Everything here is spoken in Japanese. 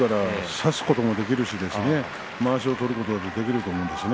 差すこともできるしまわしを取ることもできるんですね。